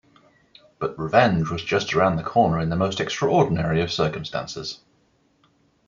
But revenge was just around the corner in the most extraordinary of circumstances.